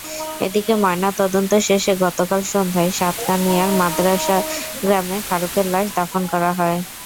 এদিকে ময়নাতদন্ত শেষে গতকাল সন্ধ্যায় সাতকানিয়ার মাদার্শা গ্রামে ফারুকের লাশ দাফন করা হয়।